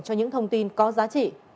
cho những thông tin có giá trị